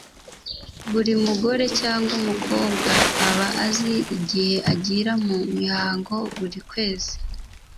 Buri mugore cg umukobwa aba azi igihe agira mu mihango buri kwezi.